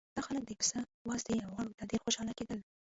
دا خلک د پسه وازدې او غوړو ته ډېر خوشاله کېدل.